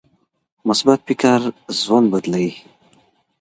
مثبت فکر ژوند بدلوي.